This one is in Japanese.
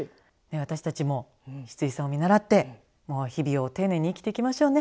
私たちもシツイさんを見習って日々を丁寧に生きていきましょうね。